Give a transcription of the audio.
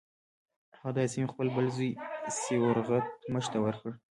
هغه دا سیمې خپل بل زوی سیورغتمش ته ورکړې.